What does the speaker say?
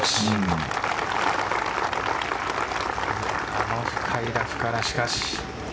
あの深いラフから、しかし。